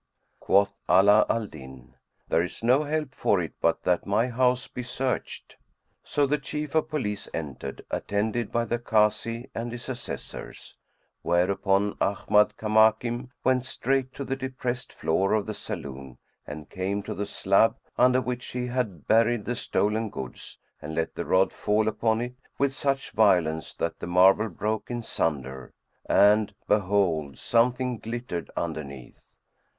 Quoth Ala al Din, "There is no help for it but that my house be searched." So the Chief of Police entered, attended by the Kazi and his Assessors; whereupon Ahmad Kamakim went straight to the depressed floor of the saloon and came to the slab, under which he had buried the stolen goods and let the rod fall upon it with such violence that the marble broke in sunder and behold something glittered underneath.